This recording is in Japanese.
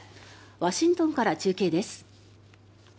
ワシントンから中継です。